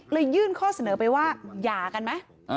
ยื่นข้อเสนอไปว่าหย่ากันไหม